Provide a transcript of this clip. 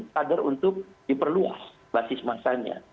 kader untuk diperluas basis masanya